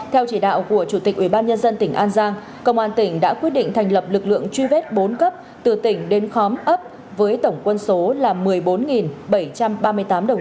theo chỉ đạo của chủ tịch ubnd tỉnh an giang công an tỉnh đã quyết định thành lập lực lượng truy vết bốn cấp từ tỉnh đến khóm ấp với tổng quân dân